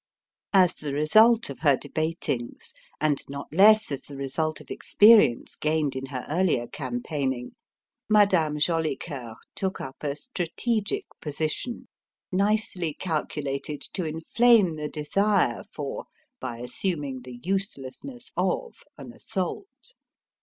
As the result of her debatings, and not less as the result of experience gained in her earlier campaigning, Madame Jolicoeur took up a strategic position nicely calculated to inflame the desire for, by assuming the uselessness of, an assault.